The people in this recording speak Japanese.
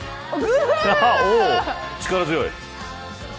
力強い。